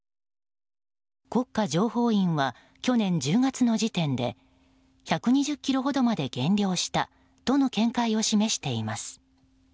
国家情報院は去年１０月の時点で１２０ｋｇほどまで減量したとの見解を示しています。